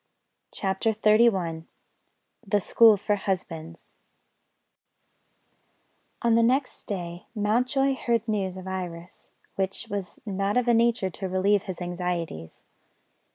CHAPTER XXXI THE SCHOOL FOR HUSBANDS ON the next day Mountjoy heard news of Iris, which was not of a nature to relieve his anxieties.